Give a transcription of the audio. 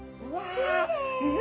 うわ！